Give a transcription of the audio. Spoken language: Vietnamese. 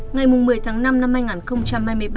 ngày một mươi tháng năm năm hai nghìn hai mươi ba